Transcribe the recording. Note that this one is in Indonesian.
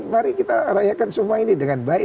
mari kita rayakan semua ini dengan baik